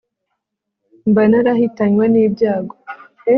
mba narahitanywe n'ibyago